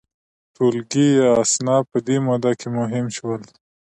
ټولګي یا اصناف په دې موده کې مهم شول.